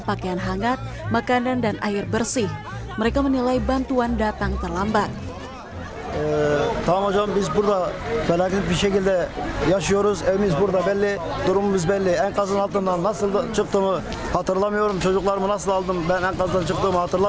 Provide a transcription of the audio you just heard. pakaian hangat makanan dan air bersih mereka menilai bantuan datang terlambat